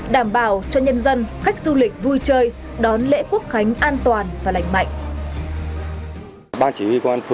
đảm bảo cho nhân dân khách du lịch vui chơi đón lễ quốc khánh an toàn và lành mạnh